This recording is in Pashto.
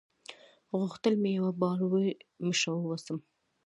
غوښتل مې یوه باوري مشره واوسم.